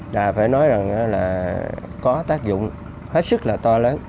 là phải nói rằng là có tác dụng hết sức là to lớn